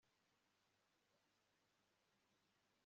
ubuvanganzo nyemvugonyabami